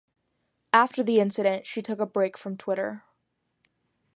After the incident, she took a break from Twitter.